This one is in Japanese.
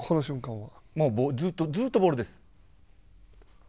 ずっとボールです。